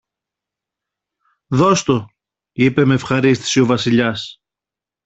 Δώσ' το, είπε μ' ευχαρίστηση ο Βασιλιάς.